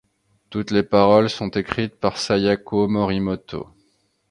Toutes les paroles sont écrites par Sayako Morimoto.